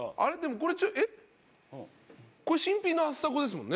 これ新品のアスタコですもんね